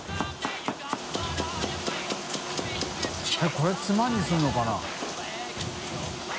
┐これつまにするのかな？